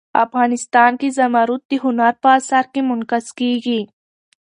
افغانستان کې زمرد د هنر په اثار کې منعکس کېږي.